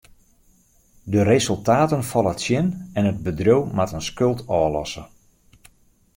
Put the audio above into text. De resultaten falle tsjin en it bedriuw moat in skuld ôflosse.